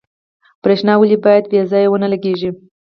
برښنا ولې باید بې ځایه ونه لګیږي؟